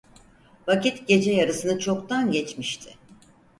Vakit gece yarısını çoktan geçmişti.